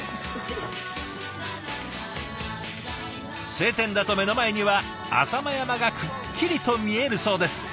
晴天だと目の前には浅間山がくっきりと見えるそうです。